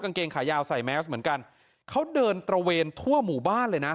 กางเกงขายาวใส่แมสเหมือนกันเขาเดินตระเวนทั่วหมู่บ้านเลยนะ